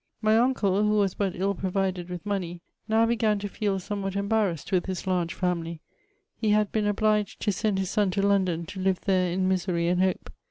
My uncle, who was but ill provided with money, now began to feel somewhat embarrassed with his large family ; he had been obliged to send his son to London, to live there in misery and hope.